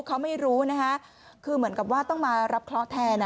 คือเหมือนกับว่าต้องมารับเคราะแทน